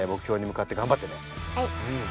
はい。